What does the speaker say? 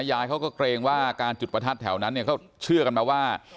ยายเขาก็เกรงว่าการจุดประทัดแถวนั้นเนี่ยเขาเชื่อกันมาว่า